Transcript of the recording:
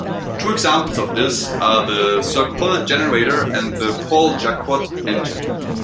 Two examples of this are the Serpollet generator and the Paul Jacquot engine.